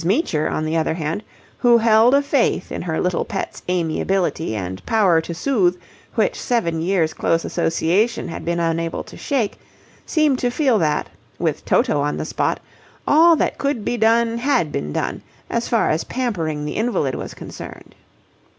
Meecher, on the other hand, who held a faith in her little pet's amiability and power to soothe which seven years' close association had been unable to shake, seemed to feel that, with Toto on the spot, all that could be done had been done as far as pampering the invalid was concerned.